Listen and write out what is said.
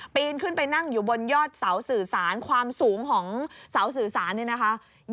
นขึ้นไปนั่งอยู่บนยอดเสาสื่อสารความสูงของเสาสื่อสารเนี่ยนะคะ